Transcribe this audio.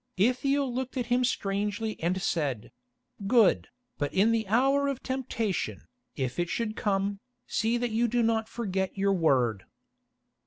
Ithiel looked at him strangely and said: "Good, but in the hour of temptation, if it should come, see that you do not forget your word."